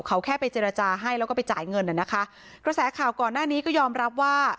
เขาแค่ไปเจรจาให้แล้วก็ไปจ่ายเงินน่ะนะคะกระแสข่าวก่อนหน้านี้ก็ยอมรับว่า